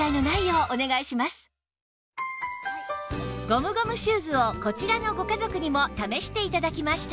ゴムゴムシューズをこちらのご家族にも試して頂きました！